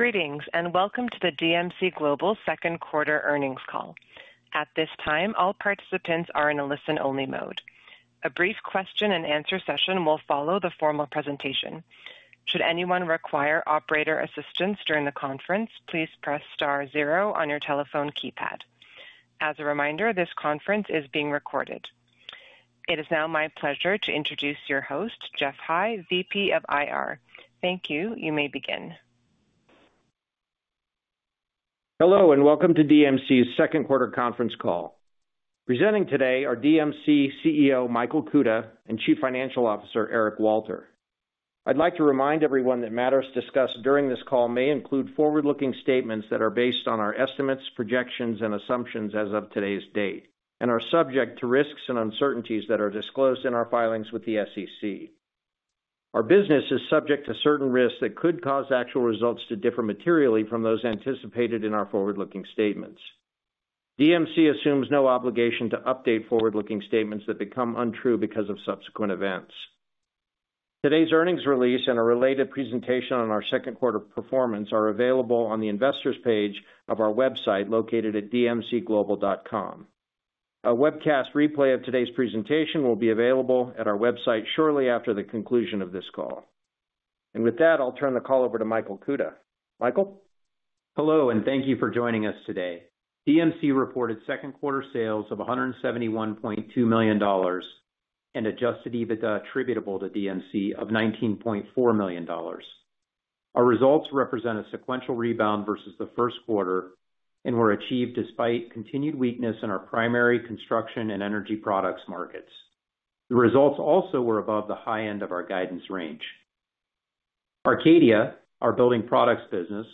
Greetings, and welcome to the DMC Global second quarter earnings call. At this time, all participants are in a listen-only mode. A brief question and answer session will follow the formal presentation. Should anyone require operator assistance during the conference, please press star zero on your telephone keypad. As a reminder, this conference is being recorded. It is now my pleasure to introduce your host, Geoff High, VP of IR. Thank you. You may begin. Hello, and welcome to DMC's second quarter conference call. Presenting today are DMC CEO, Michael Kuta, and Chief Financial Officer, Eric Walter. I'd like to remind everyone that matters discussed during this call may include forward-looking statements that are based on our estimates, projections, and assumptions as of today's date, and are subject to risks and uncertainties that are disclosed in our filings with the SEC. Our business is subject to certain risks that could cause actual results to differ materially from those anticipated in our forward-looking statements. DMC assumes no obligation to update forward-looking statements that become untrue because of subsequent events. Today's earnings release and a related presentation on our second quarter performance are available on the investors page of our website, located at dmcglobal.com. A webcast replay of today's presentation will be available at our website shortly after the conclusion of this call. With that, I'll turn the call over to Michael Kuta. Michael? Hello, and thank you for joining us today. DMC reported second quarter sales of $171.2 million and Adjusted EBITDA attributable to DMC of $19.4 million. Our results represent a sequential rebound versus the first quarter and were achieved despite continued weakness in our primary construction and energy products markets. The results also were above the high end of our guidance range. Arcadia, our building products business,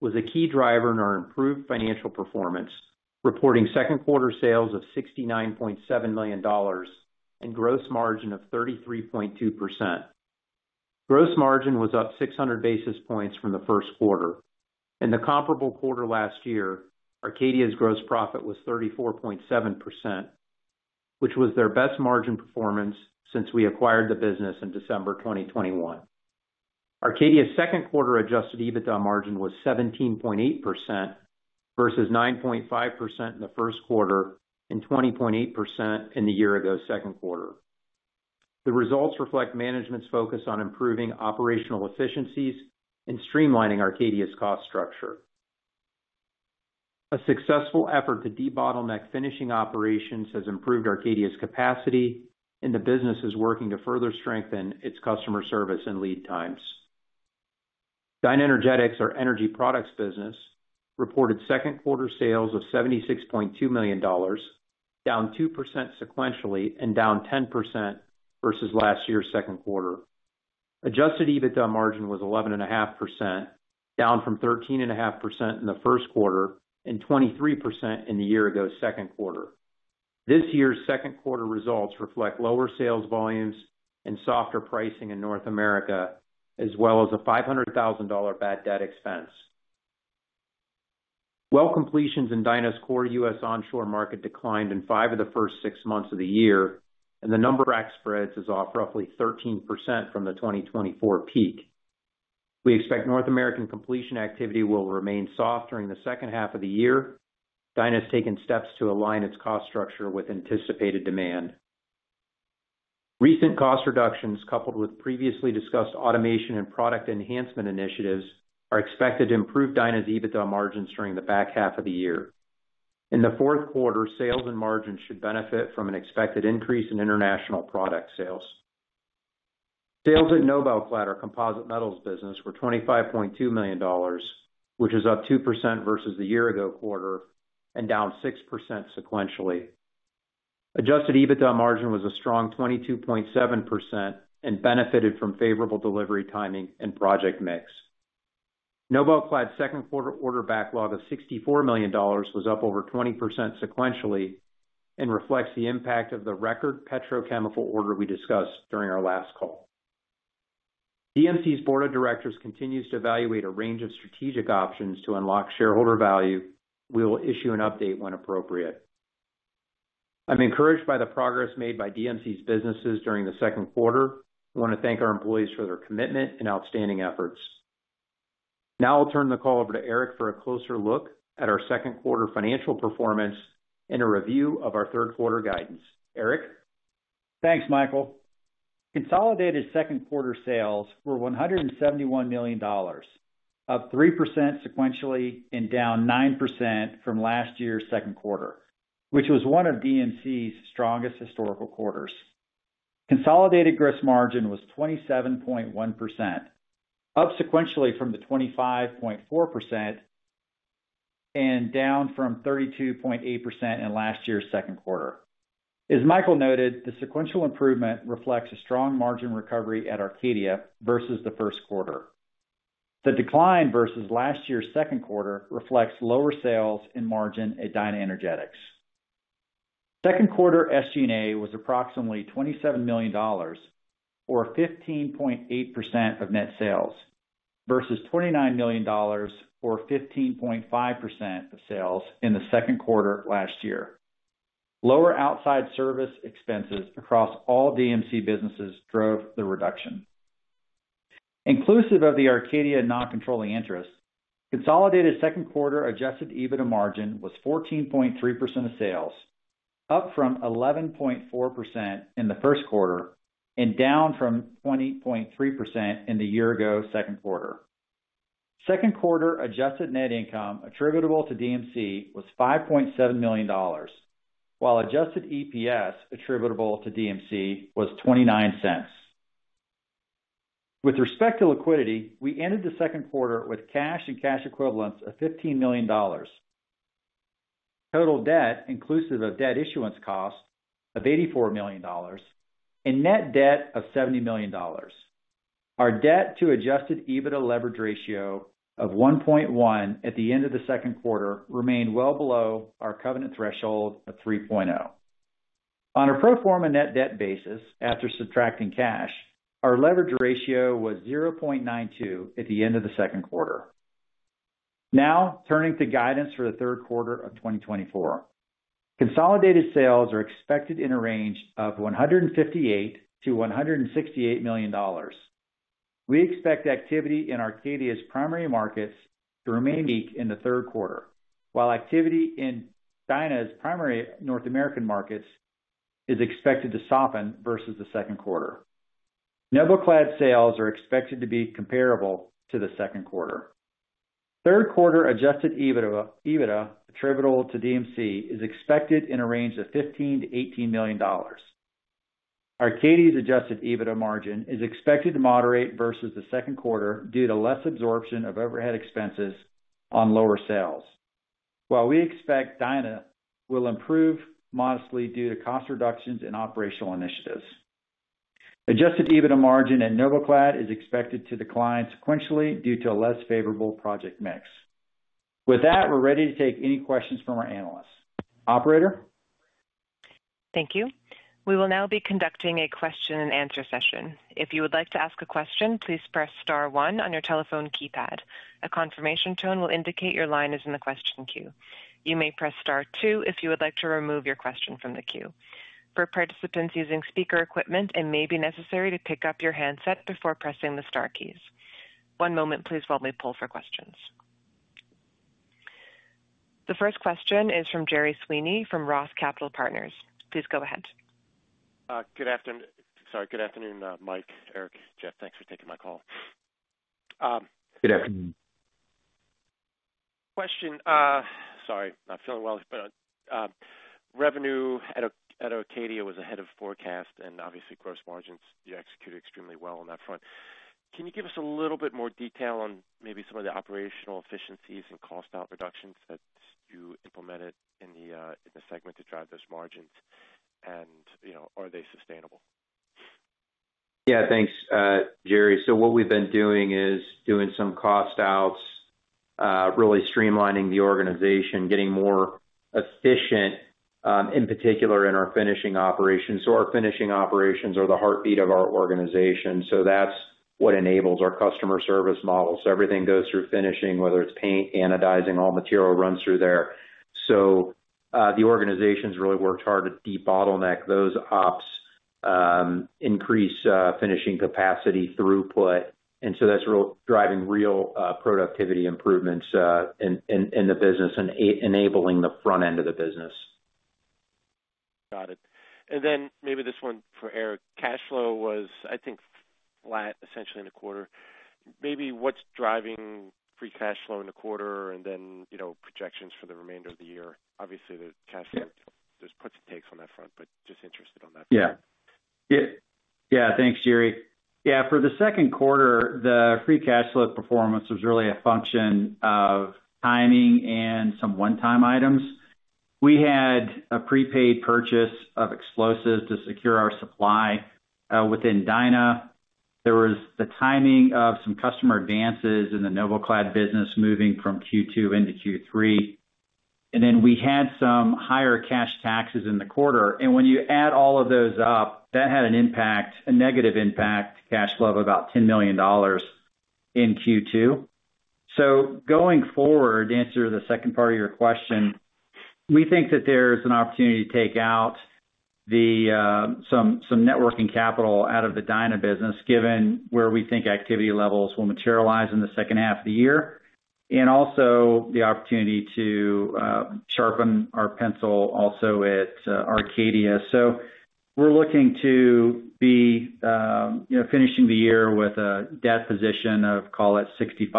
was a key driver in our improved financial performance, reporting second quarter sales of $69.7 million and gross margin of 33.2%. Gross margin was up 600 basis points from the first quarter. In the comparable quarter last year, Arcadia's gross profit was 34.7%, which was their best margin performance since we acquired the business in December 2021. Arcadia's second quarter Adjusted EBITDA margin was 17.8% versus 9.5% in the first quarter and 20.8% in the year ago second quarter. The results reflect management's focus on improving operational efficiencies and streamlining Arcadia's cost structure. A successful effort to debottleneck finishing operations has improved Arcadia's capacity, and the business is working to further strengthen its customer service and lead times. DynaEnergetics, our energy products business, reported second quarter sales of $76.2 million, down 2% sequentially and down 10% versus last year's second quarter. Adjusted EBITDA margin was 11.5%, down from 13.5% in the first quarter and 23% in the year ago second quarter. This year's second quarter results reflect lower sales volumes and softer pricing in North America, as well as a $500,000 bad debt expense. Well completions in Dyna's core U.S. onshore market declined in five of the first six months of the year, and the number of frack spreads is off roughly 13% from the 2024 peak. We expect North American completion activity will remain soft during the second half of the year. Dyna has taken steps to align its cost structure with anticipated demand. Recent cost reductions, coupled with previously discussed automation and product enhancement initiatives, are expected to improve Dyna's EBITDA margins during the back half of the year. In the fourth quarter, sales and margins should benefit from an expected increase in international product sales. Sales at NobelClad, our composite metals business, were $25.2 million, which is up 2% versus the year ago quarter and down 6% sequentially. Adjusted EBITDA margin was a strong 22.7% and benefited from favorable delivery, timing, and project mix. NobelClad's second quarter order backlog of $64 million was up over 20% sequentially and reflects the impact of the record petrochemical order we discussed during our last call. DMC's board of directors continues to evaluate a range of strategic options to unlock shareholder value. We will issue an update when appropriate. I'm encouraged by the progress made by DMC's businesses during the second quarter. I want to thank our employees for their commitment and outstanding efforts. Now I'll turn the call over to Eric for a closer look at our second quarter financial performance and a review of our third quarter guidance. Eric? Thanks, Michael. Consolidated second quarter sales were $171 million, up 3% sequentially and down 9% from last year's second quarter, which was one of DMC's strongest historical quarters. Consolidated gross margin was 27.1%, up sequentially from the 25.4% and down from 32.8% in last year's second quarter. As Michael noted, the sequential improvement reflects a strong margin recovery at Arcadia versus the first quarter. The decline versus last year's second quarter reflects lower sales and margin at DynaEnergetics. Second quarter SG&A was approximately $27 million or 15.8% of net sales, versus $29 million, or 15.5% of sales in the second quarter of last year.... Lower outside service expenses across all DMC businesses drove the reduction. Inclusive of the Arcadia non-controlling interest, consolidated second quarter adjusted EBITDA margin was 14.3% of sales, up from 11.4% in the first quarter, and down from 20.3% in the year-ago second quarter. Second quarter adjusted net income attributable to DMC was $5.7 million, while adjusted EPS attributable to DMC was $0.29. With respect to liquidity, we ended the second quarter with cash and cash equivalents of $15 million. Total debt, inclusive of debt issuance costs of $84 million, and net debt of $70 million. Our debt to adjusted EBITDA leverage ratio of 1.1 at the end of the second quarter remained well below our covenant threshold of 3.0. On a pro forma net debt basis, after subtracting cash, our leverage ratio was 0.92 at the end of the second quarter. Now, turning to guidance for the third quarter of 2024. Consolidated sales are expected in a range of $158 million-$168 million. We expect activity in Arcadia's primary markets to remain weak in the third quarter, while activity in Dyna's primary North American markets is expected to soften versus the second quarter. NobelClad sales are expected to be comparable to the second quarter. Third quarter Adjusted EBITDA, EBITDA attributable to DMC, is expected in a range of $15 million-$18 million. Arcadia's Adjusted EBITDA margin is expected to moderate versus the second quarter due to less absorption of overhead expenses on lower sales. While we expect Dyna will improve modestly due to cost reductions and operational initiatives. Adjusted EBITDA margin at NobelClad is expected to decline sequentially due to a less favorable project mix. With that, we're ready to take any questions from our analysts. Operator? Thank you. We will now be conducting a question and answer session. If you would like to ask a question, please press star one on your telephone keypad. A confirmation tone will indicate your line is in the question queue. You may press star two if you would like to remove your question from the queue. For participants using speaker equipment, it may be necessary to pick up your handset before pressing the star keys. One moment, please, while we pull for questions. The first question is from Gerry Sweeney from Roth Capital Partners. Please go ahead. Good afternoon. Sorry, good afternoon, Mike, Eric, Geoff, thanks for taking my call. Good afternoon. Question, sorry, not feeling well. But revenue at Arcadia was ahead of forecast, and obviously, gross margins, you executed extremely well on that front. Can you give us a little bit more detail on maybe some of the operational efficiencies and cost out reductions that you implemented in the segment to drive those margins? And, you know, are they sustainable? Yeah, thanks, Gerry. So what we've been doing is doing some cost outs, really streamlining the organization, getting more efficient, in particular in our finishing operations. So our finishing operations are the heartbeat of our organization, so that's what enables our customer service model. So everything goes through finishing, whether it's paint, anodizing, all material runs through there. So, the organization's really worked hard to debottleneck those ops, increase finishing capacity throughput, and so that's really driving real productivity improvements in the business and enabling the front end of the business. Got it. Then maybe this one for Eric. Cash flow was, I think, flat, essentially in the quarter. Maybe what's driving free cash flow in the quarter, and then, you know, projections for the remainder of the year? Obviously, the cash flow, there's puts and takes on that front, but just interested on that. Yeah. Yeah, thanks, Gerry. Yeah, for the second quarter, the free cash flow performance was really a function of timing and some one-time items. We had a prepaid purchase of explosives to secure our supply within Dyna. There was the timing of some customer advances in the NobelClad business moving from Q2 into Q3. And then we had some higher cash taxes in the quarter, and when you add all of those up, that had an impact, a negative impact on cash flow of about $10 million in Q2. So going forward, the answer to the second part of your question, we think that there's an opportunity to take out some net working capital out of the Dyna business, given where we think activity levels will materialize in the second half of the year, and also the opportunity to sharpen our pencil also at Arcadia. So we're looking to be, you know, finishing the year with a debt position of, call it, $65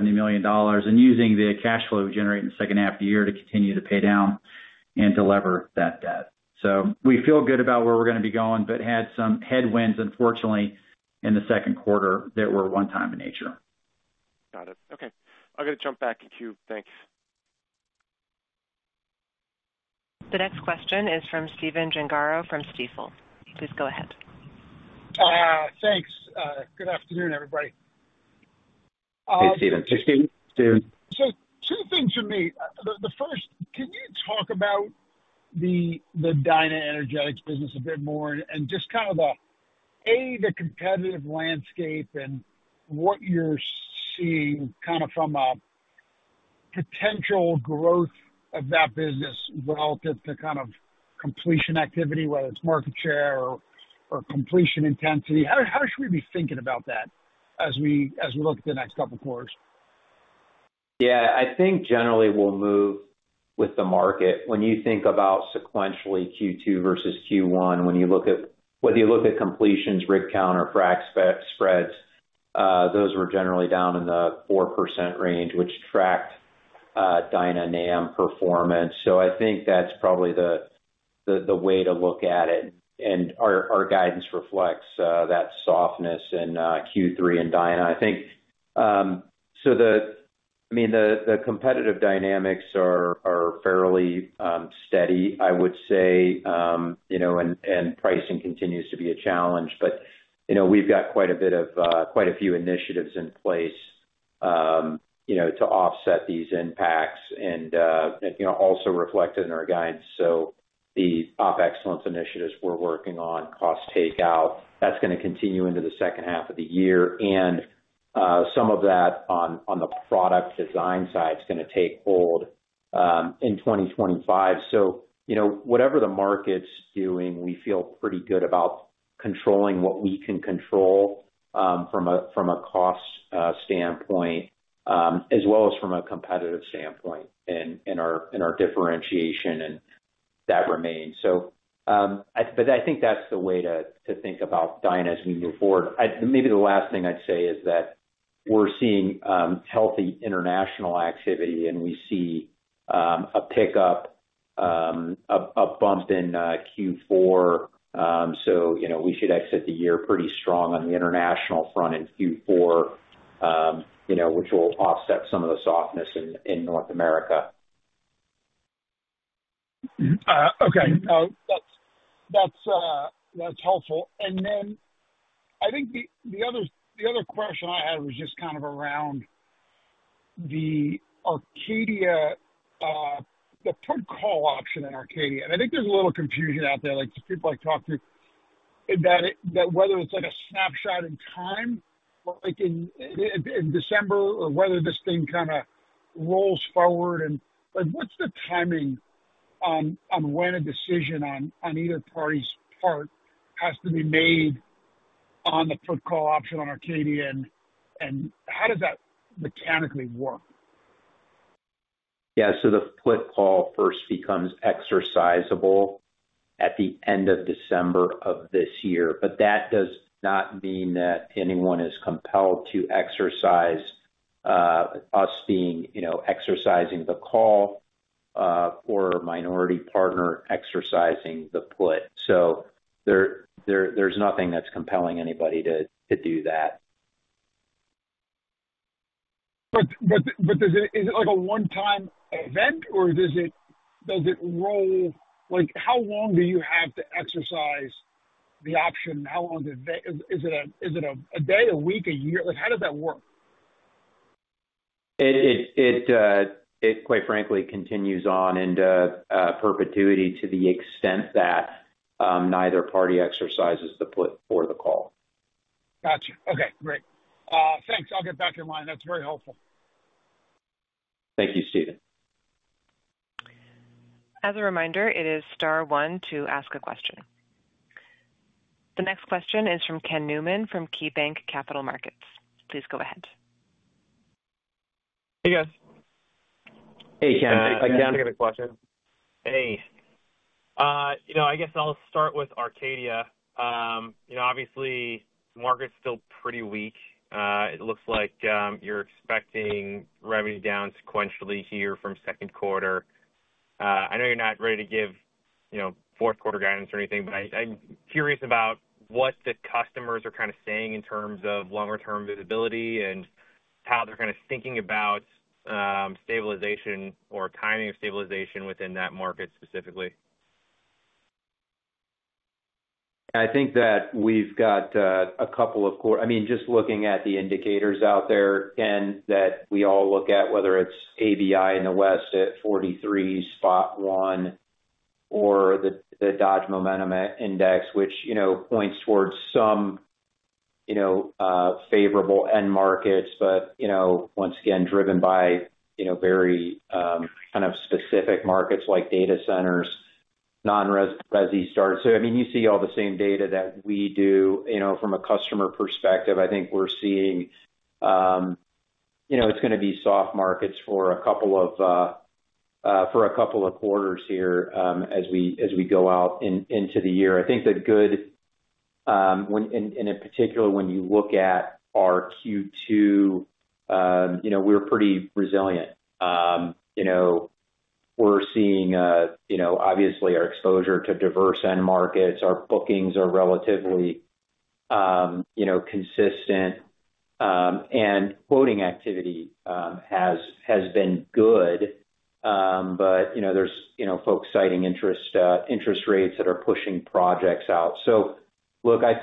million-$70 million, and using the cash flow we generate in the second half of the year to continue to pay down and delever that debt. So we feel good about where we're gonna be going, but had some headwinds, unfortunately, in the second quarter that were one-time in nature. Got it. Okay, I've got to jump back in queue. Thanks. The next question is from Stephen Gengaro from Stifel. Please go ahead. Thanks. Good afternoon, everybody. Hey, Stephen. Stephen.Steph. So two things for me. The first, can you talk about the DynaEnergetics business a bit more, and just kind of the competitive landscape and what you're seeing kind of from a potential growth of that business relative to kind of completion activity, whether it's market share or completion intensity? How should we be thinking about that as we look at the next couple of quarters? Yeah, I think generally we'll move with the market. When you think about sequentially Q2 versus Q1, when you look at whether you look at completions, rig count, or frack spreads, those were generally down in the 4% range, which tracked Dyna performance. So I think that's probably the way to look at it. And our guidance reflects that softness in Q3 and Dyna. I think, so the I mean, the competitive dynamics are fairly steady, I would say. You know, and pricing continues to be a challenge. But, you know, we've got quite a few initiatives in place, you know, to offset these impacts and, you know, also reflect it in our guidance. So the op excellence initiatives we're working on, cost takeout, that's gonna continue into the second half of the year. And some of that on the product design side is gonna take hold in 2025. So, you know, whatever the market's doing, we feel pretty good about controlling what we can control from a cost standpoint as well as from a competitive standpoint in our differentiation, and that remains. So, but I think that's the way to think about Dyna as we move forward. Maybe the last thing I'd say is that we're seeing healthy international activity, and we see a pickup, a bump in Q4. So, you know, we should exit the year pretty strong on the international front in Q4, you know, which will offset some of the softness in North America. Okay. No, that's helpful. And then I think the other question I had was just kind of around the Arcadia, the put call option in Arcadia. And I think there's a little confusion out there, like the people I talk to, that whether it's like a snapshot in time or like in December, or whether this thing kind of rolls forward and... Like, what's the timing on when a decision on either party's part has to be made on the put call option on Arcadia, and how does that mechanically work? Yeah. So the put call first becomes exercisable at the end of December of this year, but that does not mean that anyone is compelled to exercise, us being, you know, exercising the call, or a minority partner exercising the put. So there's nothing that's compelling anybody to do that. But does it... Is it like a one-time event, or does it roll? Like, how long do you have to exercise the option? How long does that... Is it a day, a week, a year? Like, how does that work? It quite frankly continues on in perpetuity to the extent that neither party exercises the put or the call. Gotcha. Okay, great. Thanks. I'll get back in line. That's very helpful. Thank you, StePHEN. As a reminder, it is star one to ask a question. The next question is from Ken Newman from KeyBanc Capital Markets. Please go ahead. Hey, guys. Hey, Ken. Hey, Ken. Thanks for the question. Hey, you know, I guess I'll start with Arcadia. You know, obviously, the market's still pretty weak. It looks like, you're expecting revenue down sequentially here from second quarter. I know you're not ready to give, you know, fourth-quarter guidance or anything, but I, I'm curious about what the customers are kind of saying in terms of longer-term visibility and how they're kind of thinking about, stabilization or timing of stabilization within that market specifically. I think that we've got, I mean, just looking at the indicators out there, Ken, that we all look at, whether it's ABI in the West at 43.1, or the Dodge Momentum Index, which, you know, points towards some, you know, favorable end markets, but, you know, once again, driven by, you know, very kind of specific markets like data centers, non-res resi starts. So I mean, you see all the same data that we do. You know, from a customer perspective, I think we're seeing, you know, it's gonna be soft markets for a couple of quarters here, as we, as we go out into the year. I think, and, and in particular, when you look at our Q2, you know, we're pretty resilient. You know, we're seeing, you know, obviously, our exposure to diverse end markets. Our bookings are relatively, you know, consistent, and quoting activity has been good. But, you know, there's, you know, folks citing interest rates that are pushing projects out. So look, I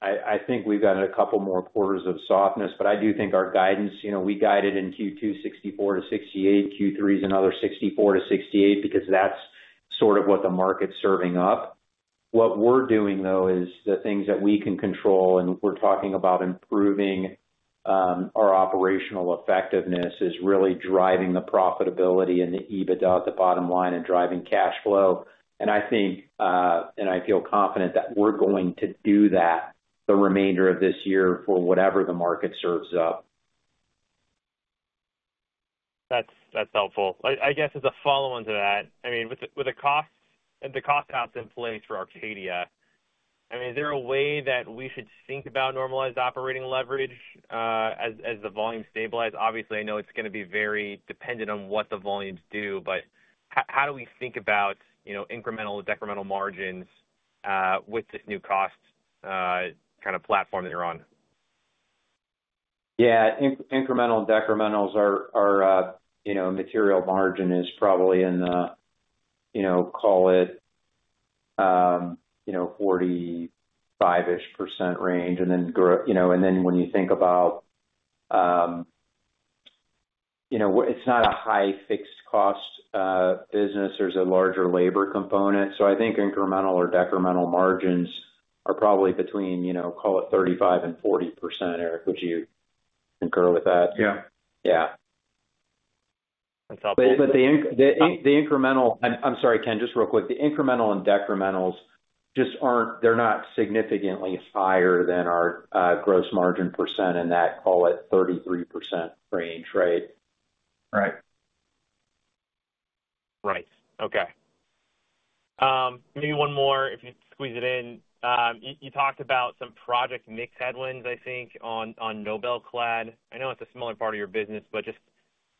think, I think we've got a couple more quarters of softness, but I do think our guidance, you know, we guided in Q2, $64-$68. Q3 is another $64-$68, because that's sort of what the market's serving up. What we're doing, though, is the things that we can control, and we're talking about improving our operational effectiveness, is really driving the profitability and the EBITDA at the bottom line and driving cash flow. I think, and I feel confident that we're going to do that the remainder of this year for whatever the market serves up. That's helpful. I guess as a follow-on to that, I mean, with the cost and the cost ops in place for Arcadia, I mean, is there a way that we should think about normalized operating leverage as the volume stabilize? Obviously, I know it's gonna be very dependent on what the volumes do, but how do we think about, you know, incremental and decremental margins with this new cost kind of platform that you're on? Yeah, incremental and decrementals are, you know, material margin is probably in the, you know, call it, 45%-ish range. And then, you know, and then when you think about, you know, it's not a high fixed cost business. There's a larger labor component. So I think incremental or decremental margins are probably between, you know, call it 35% and 40%. Eric, would you concur with that? Yeah. Yeah. That's helpful. But the incremental... I'm sorry, Ken, just real quick. The incremental and decrementals just aren't. They're not significantly higher than our gross margin percent in that, call it, 33% range, right? Right. Right. Okay. Maybe one more, if you squeeze it in. You talked about some project mix headwinds, I think, on NobelClad. I know it's a smaller part of your business, but just,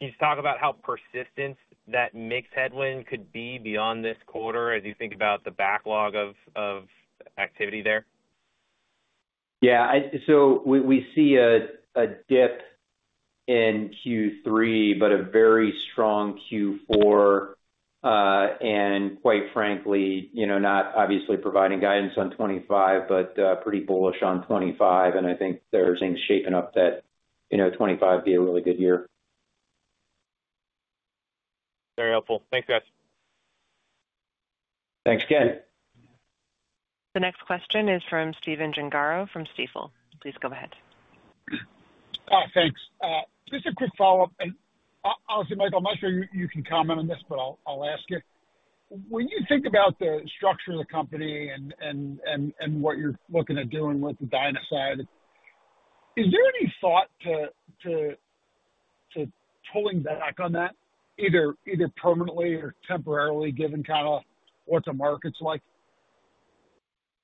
can you just talk about how persistent that mix headwind could be beyond this quarter as you think about the backlog of activity there? Yeah, so we see a dip in Q3, but a very strong Q4. And quite frankly, you know, not obviously providing guidance on 2025, but pretty bullish on 2025, and I think there are things shaping up that, you know, 2025 will be a really good year. Very helpful. Thanks, guys. Thanks, Ken. The next question is from Stephen Gengaro from Stifel. Please go ahead. Thanks. Just a quick follow-up, and, honestly, Michael, I'm not sure you can comment on this, but I'll ask you. When you think about the structure of the company and what you're looking at doing with the Dyna side, is there any thought to pulling back on that, either permanently or temporarily, given kind of what the market's like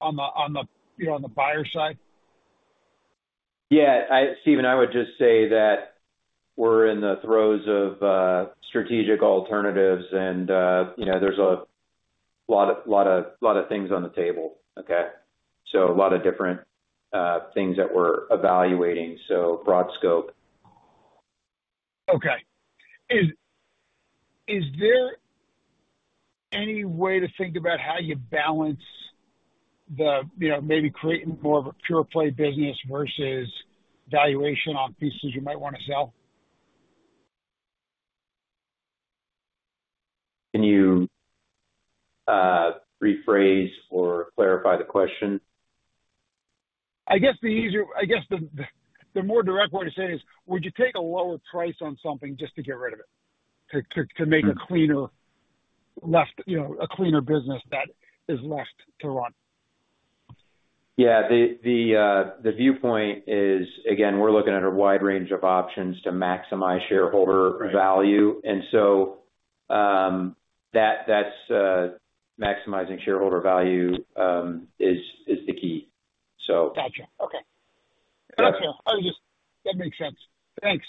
on the buyer side? Yeah, Stephen, I would just say that we're in the throes of strategic alternatives, and you know, there's a lot of, lot of, lot of things on the table, okay? So a lot of different things that we're evaluating, so broad scope. Okay. Is there any way to think about how you balance the, you know, maybe creating more of a pure play business versus valuation on pieces you might wanna sell? Can you rephrase or clarify the question? I guess the more direct way to say it is, would you take a lower price on something just to get rid of it, to make a cleaner exit, you know, a cleaner business that is left to run? Yeah. The viewpoint is, again, we're looking at a wide range of options to maximize shareholder value. Right. And so, that's maximizing shareholder value is the key, so. Gotcha. Okay. Yeah. Thank you. I'll just... That makes sense. Thanks.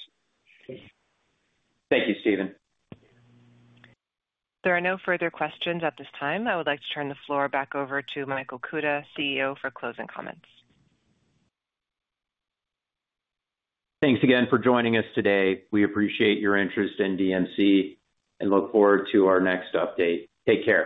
Thank you, Steven. There are no further questions at this time. I would like to turn the floor back over to Michael Kuta, CEO, for closing comments. Thanks again for joining us today. We appreciate your interest in DMC and look forward to our next update. Take care.